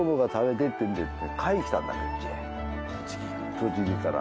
栃木から？